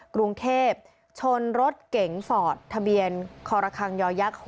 กรุงเทพฯชนรถเก๋งฟอร์ตทะเบียนคย๖๙๑๑